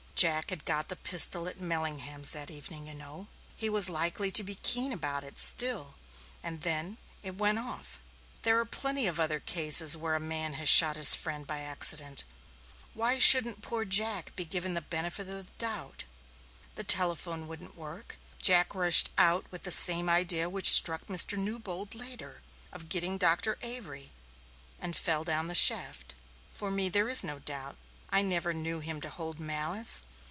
Jack had got the pistol at Mellingham's that evening, you know he was likely to be keen about it still, and then it went off. There are plenty of other cases where a man has shot his friend by accident why shouldn't poor Jack be given the benefit of the doubt? The telephone wouldn't work; Jack rushed out with the same idea which struck Mr. Newbold later, of getting Dr. Avery and fell down the shaft. "For me there is no doubt. I never knew him to hold malice.